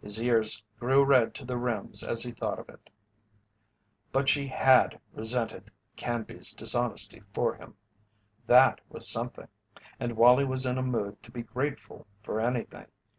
His ears grew red to the rims as he thought of it. But she had resented Canby's dishonesty for him that was something; and Wallie was in a mood to be grateful for anything.